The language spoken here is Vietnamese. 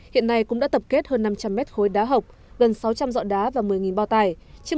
hiện nay cũng đã tập kết hơn năm trăm linh mét khối đá hộc gần sáu trăm linh dọ đá và một mươi bao tải